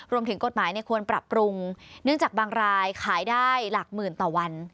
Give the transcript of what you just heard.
รวมถึงกฎหมายควรปรับปรุงเนื่องจากบางรายขายได้หลักหมื่นต่อวัน